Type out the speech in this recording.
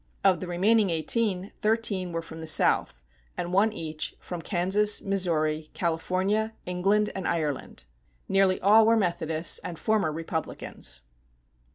Of the remaining eighteen, thirteen were from the South, and one each from Kansas, Missouri, California, England and Ireland. Nearly all were Methodists and former Republicans.